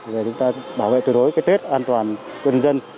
để chúng ta bảo vệ tuyệt đối cái tết an toàn quân dân